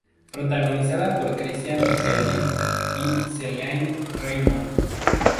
Protagonizada por Cristián Riquelme y Celine Reymond.